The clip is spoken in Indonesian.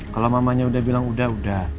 kalau mamanya udah bilang udah udah